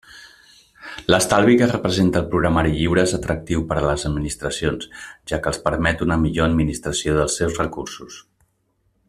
L'estalvi que representa el programari lliure és atractiu per a les administracions, ja que els permet una millor administració dels seus recursos.